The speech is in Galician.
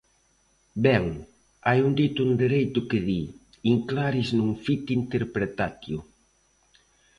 Ben, hai un dito en dereito que di: in claris non fit interpretatio.